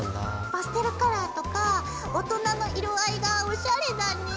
パステルカラーとか大人の色合いがおしゃれだね。